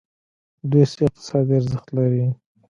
دوی څه اقتصادي ارزښت لري.